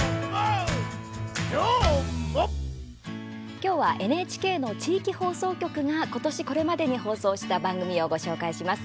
今日はＮＨＫの地域放送局が今年これまでに放送した番組をご紹介します。